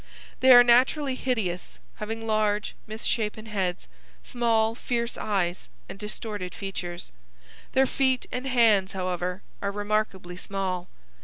'They are naturally hideous, having large, misshapen heads, small, fierce eyes, and distorted features. Their feet and hands, however, are remarkably small.